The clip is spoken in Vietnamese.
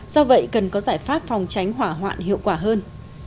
do vậy cần có giải pháp phòng tránh hỏa hoạn hiệu quả hơn